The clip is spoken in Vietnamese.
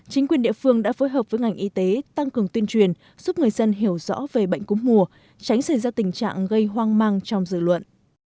chính quyền địa phương đã phối hợp với ngành y tế tăng cường tuyên truyền giúp người dân hiểu rõ về bệnh cúm mùa tránh xảy ra tình trạng gây hoang mang trong dự luận